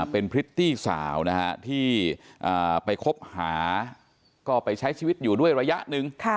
เป็นพริตตี้สาวนะฮะที่ไปคบหาก็ไปใช้ชีวิตอยู่ด้วยระยะหนึ่ง